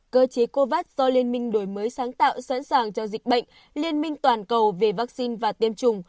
cơ chế covax do liên minh đổi mới sáng tạo sẵn sàng cho dịch bệnh liên minh toàn cầu về vaccine và tiêm chủng